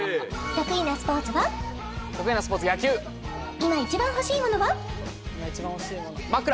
今一番欲しいもの